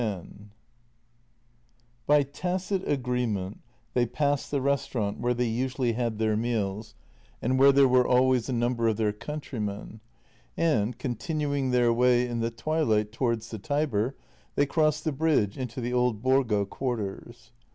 X B Y tacit agreement they passed the restaurant where they usually had their meals and where there were always a number of their countrymen, and, continuing their way in the twilight towards the Tiber, they crossed the bridge into the old Borgo quarters.